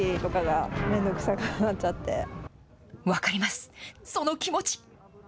分かります、その気持ち。